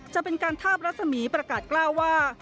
จะเป็นการทาบรัศมีร์ประกาศกล้าวว่า